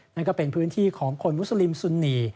นั่นก็เป็นพื้นที่ของคนมุสลิมสุนี